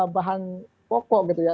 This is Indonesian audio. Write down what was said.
bahan pokok gitu ya